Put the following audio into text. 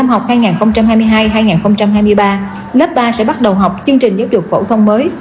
năm học hai nghìn hai mươi hai hai nghìn hai mươi ba lớp ba sẽ bắt đầu học chương trình giáo dục phổ thông mới